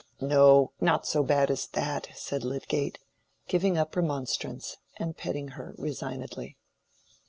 "No, no, not so bad as that," said Lydgate, giving up remonstrance and petting her resignedly.